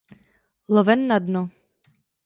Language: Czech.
Loven na dno.